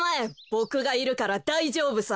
ボクがいるからだいじょうぶさ。